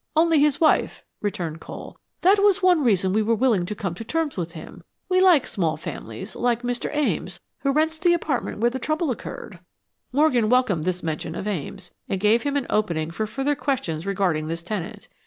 "Only his wife," returned Cole. "That was one reason we were willing to come to terms with him. We like small families; like Mr. Ames, who rents the apartment where this trouble occurred." Morgan welcomed this mention of Ames. It gave him an opening for further questions regarding this tenant.